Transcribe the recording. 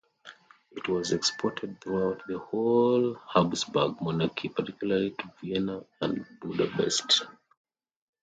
It was exported throughout the whole Habsburg Monarchy, particularly to Vienna and Budapest.